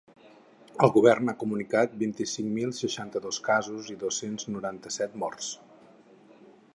El govern ha comunicat vint-i-cinc mil seixanta-dos casos i dos-cents noranta-set morts.